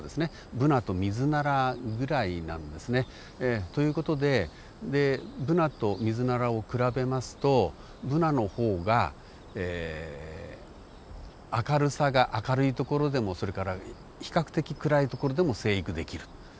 ブナとミズナラぐらいなんですね。という事でブナとミズナラを比べますとブナの方が明るさが明るい所でもそれから比較的暗い所でも生育できる。